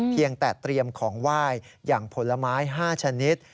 เพียงแต่เตรียมของไหว้อย่างผลไม้๕ชนิด